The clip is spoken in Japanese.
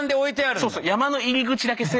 そうそう。